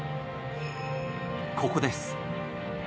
ここです！